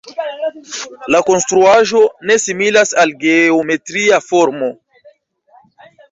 La konstruaĵo ne similas al geometria formo.